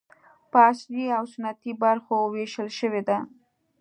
په عصري او سنتي برخو وېشل شوي دي.